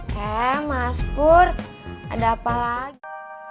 hei mas pur ada apa lagi